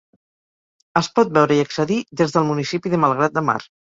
Es pot veure i accedir des del municipi de Malgrat de Mar.